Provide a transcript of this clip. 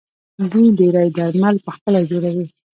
دوی ډیری درمل پخپله جوړوي.